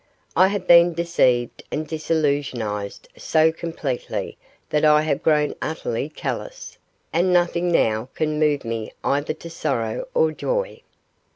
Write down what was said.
I have been deceived and disillusionized so completely that I have grown utterly callous, and nothing now can move me either to sorrow or joy.